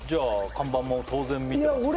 看板も当然見てますよね